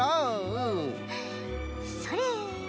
うん。それ。